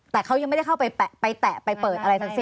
แต่เขายังไม่ได้เข้าไปแตะไปเปิดอะไรทั้งสิ้น